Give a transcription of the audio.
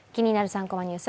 ３コマニュース」